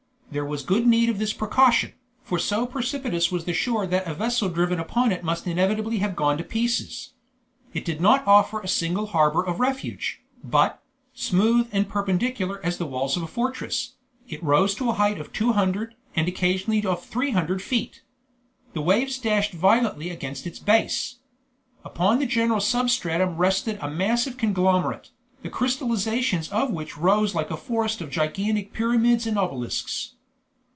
There was good need of this precaution, for so precipitous was the shore that a vessel driven upon it must inevitably have gone to pieces; it did not offer a single harbor of refuge, but, smooth and perpendicular as the walls of a fortress, it rose to a height of two hundred, and occasionally of three hundred feet. The waves dashed violently against its base. Upon the general substratum rested a massive conglomerate, the crystallizations of which rose like a forest of gigantic pyramids and obelisks.